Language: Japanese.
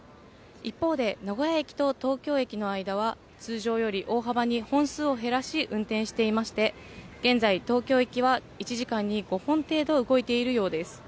一方で名古屋駅と東京駅の間は、通常より大幅に本数を減らし、運転していまして、現在、東京行きは１時間に５本程度動いているようです。